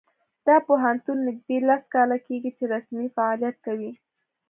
دا پوهنتون نږدې لس کاله کیږي چې رسمي فعالیت کوي